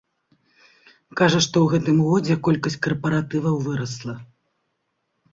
Кажа, што ў гэтым годзе колькасць карпаратываў вырасла.